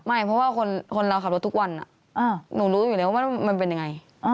ไม่เพราะว่าคนเราขับรถทุกวันหนูรู้อยู่แล้วว่ามันเป็นยังไง